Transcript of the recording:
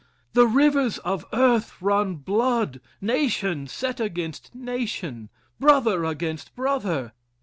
The rivers of earth run blood! Nation set against nation! Brother against brother!